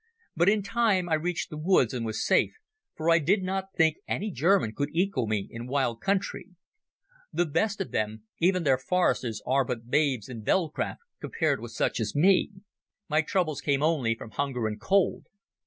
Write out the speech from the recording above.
But in time I reached the woods and was safe, for I did not think any German could equal me in wild country. The best of them, even their foresters, are but babes in veldcraft compared with such as me ... My troubles came only from hunger and cold.